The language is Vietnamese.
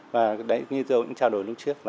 và đấy như dâu cũng trao đổi lúc trước